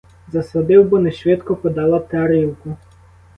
Засадив, бо нешвидко подала тарілку.